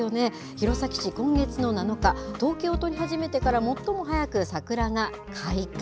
弘前市、今月の７日、統計を取り始めてから最も早く桜が開花。